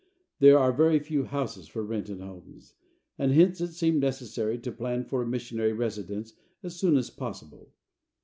There are very few houses for rent in Homs, and hence it seemed necessary to plan for a missionary residence as soon as possible.